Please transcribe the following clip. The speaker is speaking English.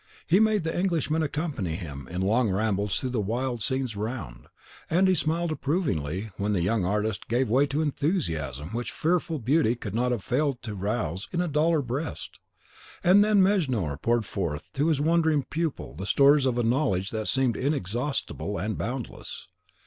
He made the Englishman accompany him in long rambles through the wild scenes around, and he smiled approvingly when the young artist gave way to the enthusiasm which their fearful beauty could not have failed to rouse in a duller breast; and then Mejnour poured forth to his wondering pupil the stores of a knowledge that seemed inexhaustible and boundless.